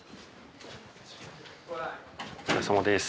お疲れさまです。